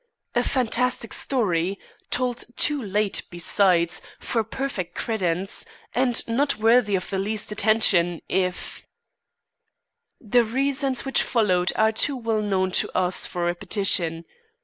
A fantastic story told too late, besides, for perfect credence, and not worthy of the least attention if " The reasons which followed are too well known to us for repetition.